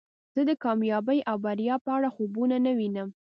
زه د کامیابی او بریا په اړه خوبونه نه وینم